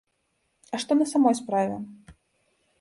А што на самой справе?